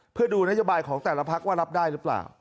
เพื่อดูนโยบายของแต่ละพักว่ารับได้หรือเปล่า